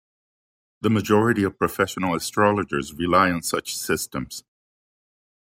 The majority of professional astrologers rely on such systems.